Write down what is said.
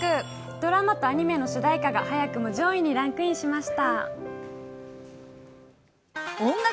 ドラマとアニメの主題歌が早くもランクインしました。